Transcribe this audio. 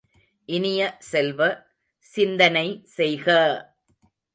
இனிய செல்வ, சிந்தனை செய்க!